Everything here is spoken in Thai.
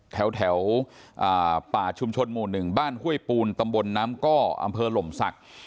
แถวป่าชุมชนหมู่๑บ้านห้วยปูนตำบลน้ำก้ออำเภอหล่มศักดิ์